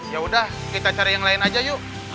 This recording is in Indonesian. yaudah kita cari yang lain aja yuk